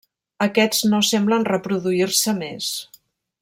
Aquests no semblen reproduir-se més.